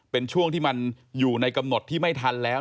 เป็นช่วงที่มันอยู่ในกำหนดที่ไม่ทันแล้ว